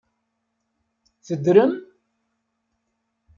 Teddrem?